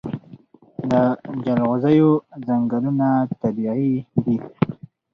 د جلغوزیو ځنګلونه طبیعي دي؟